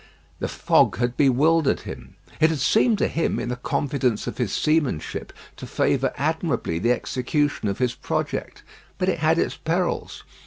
The fog had bewildered him. It had seemed to him, in the confidence of his seamanship, to favour admirably the execution of his project; but it had its perils.